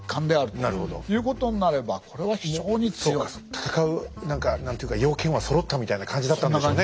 戦う何ていうか要件はそろったみたいな感じだったんでしょうね。